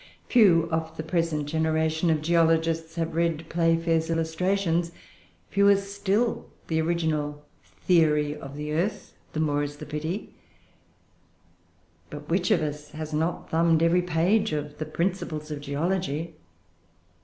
Few of the present generation of geologists have read Playfair's "Illustrations," fewer still the original "Theory of the Earth"; the more is the pity; but which of us has not thumbed every page of the "Principles of Geology"?